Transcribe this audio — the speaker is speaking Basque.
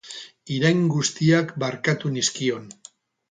Irain guztiak barkatu nizkion.